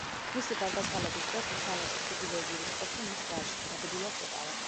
მისი გარდაცვალების დროს, ოსმალეთის დიდი ვეზირის პოსტი მის ვაჟს, აბდულას ეკავა.